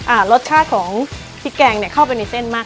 เป็นชายรสชาติของพริกแกงเข้าไปในเส้นมาก